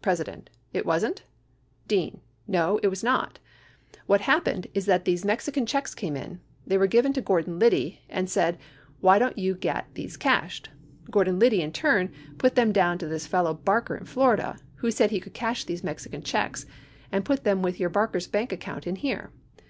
President. It wasn't? Dean. No it was not. What happened is that these Mexican checks came in. They were given to Gordon Licldy, and said, "why don't you get these cashed?" Gordv Biddy, in turn, put them down to this fellow Barker in Florida, who said he could cash these Mexican checks, and put them with your Barker's bank account in here.